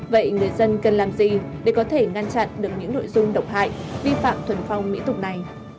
vậy người dân cần làm gì để có thể ngăn chặn được những nội dung độc hại vi phạm thuần phong mỹ tục này